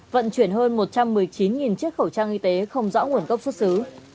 vận chuyển hơn một trăm một mươi chín chiếc khẩu trang y tế không rõ nguồn gốc xuất xứ